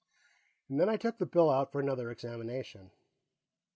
And then I took the bill out for another examination.